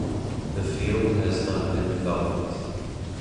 The field has not been developed.